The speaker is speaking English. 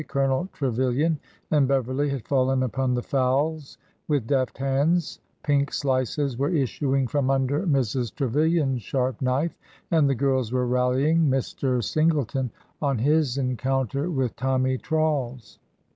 Colonel Trevilian and Beverly had fallen upon the fowls with deft hands, pink slices were issuing from under Mrs. Trevilian's sharp knife, and the girls were rallying Mr. Singleton on his encounter with Tommy Trawles.